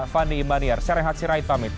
fandi ibaniar sering hati rait pamit